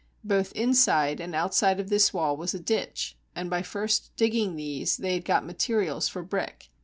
Both inside and outside of this wall was a ditch, and by first digging these they had got materials for brick.